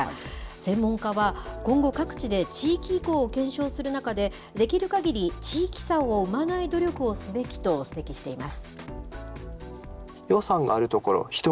専門家は今後、各地で、地域移行を検証する中で、できるかぎり地域差を生まない努力をすべきと指摘しています。